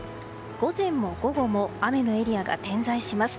午前も午後も雨のエリアが点在します。